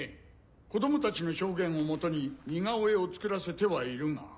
子供たちの証言を基に似顔絵を作らせてはいるが。